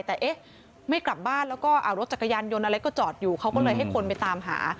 แต่เอ๊ะไม่กลับบ้านแล้วก็รถจักรยานยนต์อะไรก็จอดอยู่เขาก็เลยให้คนไปตามหา